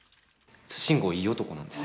慎吾いい男なんです。